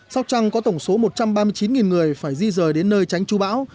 sóc trăng có tổng số một trăm ba mươi chín người phải di rời đến nơi tránh chú bão